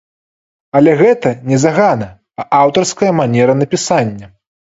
Але гэта не загана, а аўтарская манера напісання.